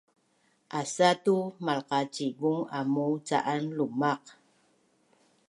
Asatu malqacivung amuu ca’an lumaq